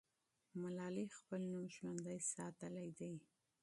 ملالۍ خپل نوم ژوندی ساتلی دی.